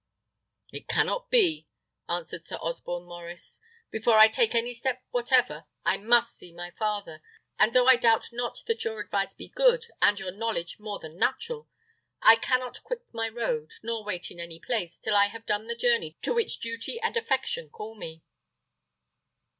"It cannot be," answered Sir Osborne Maurice. "Before I take any step whatever I must see my father; and though I doubt not that your advice be good, and your knowledge more than natural, I cannot quit my road, nor wait in any place, till I have done the journey to which duty and affection call me."